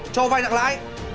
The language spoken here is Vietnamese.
cho vai nặng lãi